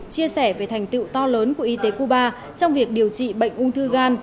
chia sẻ về thành tựu to lớn của y tế cuba trong việc điều trị bệnh ung thư gan